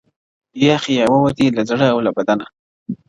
• یخ یې ووتی له زړه او له بدنه -